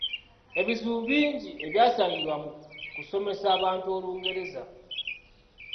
Ebizibu bingi ebyasangibwa mu kusomesa abantu Olungereza.